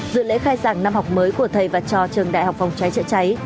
dự lễ khai sản năm học mới của thầy và cho trường đại học phòng trái trợ cháy